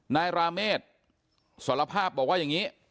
ราเมฆสารภาพบอกว่าอย่างนี้